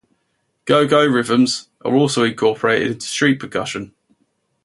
Go-go rhythms are also incorporated into street percussion.